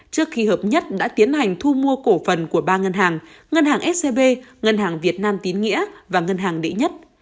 trước khi hợp nhất đã tiến hành thu mua cổ phần của ba ngân hàng ngân hàng scb ngân hàng việt nam tín nghĩa và ngân hàng đĩ nhất